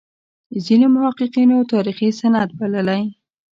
ځینو محققینو تاریخي سند بللی.